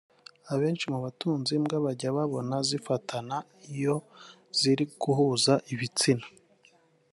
Abenshi mu batunze imbwa bajya babona zifatana iyo ziri guhuza ibitsina